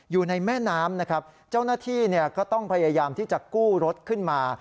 อยู่ในแม่น้ำนะครับเจ้าหน้าที่ก็ต้องพยายามที่จะกู้รถขึ้นมา